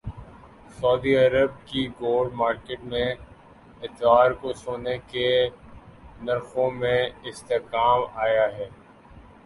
سعودی عرب کی gold market میں اتوار کو سونے کے نرخوں میں استحکام آیا ہے